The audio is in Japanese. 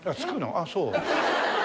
ああそう。